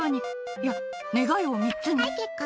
いや、願いを３つに。